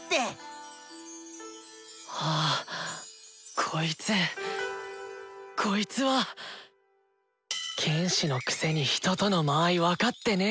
心の声ああこいつこいつは剣士のくせに人との間合い分かってねえ。